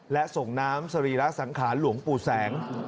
และส่งน้ำสรีระสังขารหลวงปู่แสง